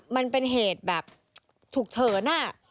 มันเป็นเหตุแบบถูกเฉินน่ะ